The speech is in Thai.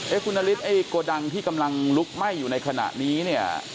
คุณนฤทธิไอ้โกดังที่กำลังลุกไหม้อยู่ในขณะนี้เนี่ย